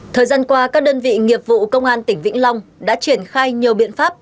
thời gian qua các đơn vị nghiệp vụ công an tỉnh vĩnh long đã triển khai nhiều biện pháp